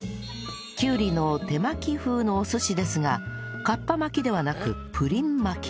きゅうりの手巻き風のお寿司ですがかっぱ巻きではなくプリン巻き